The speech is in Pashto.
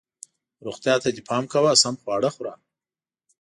روغتیا ته دې پام کوه ، سم خواړه خوره